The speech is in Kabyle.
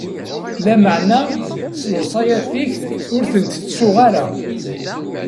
Lameɛna, lewṣayat-ik ur tent-ttettuɣ ara.